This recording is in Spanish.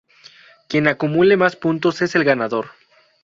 Quien acumule más puntos es el ganador.